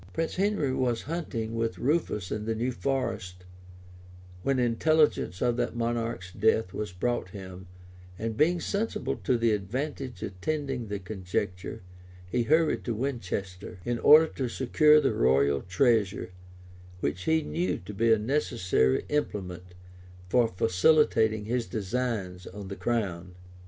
Prince Henry was hunting with Rufus in the new forest, when intelligence of that monarch's death was brought him, and being sensible of the advantage attending the conjuncture he hurried to Winchester, in order to secure the royal treasure, which he knew to be a necessary implement for facilitating his designs on the crown.